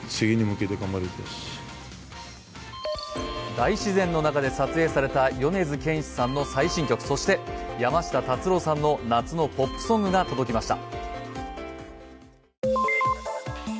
大自然の中で撮影された米津玄師さんの最新曲、そして、山下達郎さんの夏のポップソングが届きました。